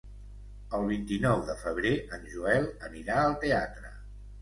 El vint-i-nou de febrer en Joel anirà al teatre.